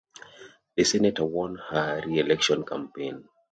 The senator won her reelection campaign.